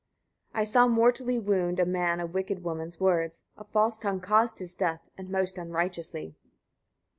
120. I saw mortally wound a man a wicked woman's words; a false tongue caused his death, and most unrighteously.